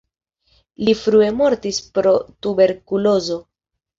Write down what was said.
Li frue mortis pro tuberkulozo.